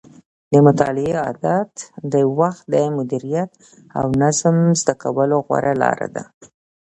د مطالعې عادت د وخت د مدیریت او نظم زده کولو غوره لاره ده.